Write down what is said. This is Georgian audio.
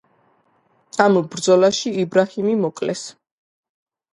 ამ ბრძოლაში იბრაჰიმი მოკლეს.